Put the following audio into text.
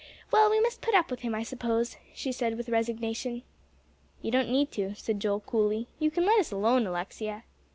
Well, we must put up with him, I suppose," she said with resignation. "You don't need to," said Joel coolly, "you can let us alone, Alexia."